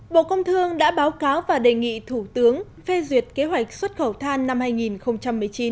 bộ công thương đã báo cáo và đề nghị thủ tướng phê duyệt kế hoạch xuất khẩu than năm hai nghìn một mươi chín